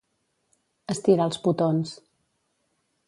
Estirar els potons.